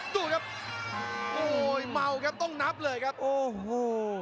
ดูครับโอ้โหเมาครับต้องนับเลยครับโอ้โห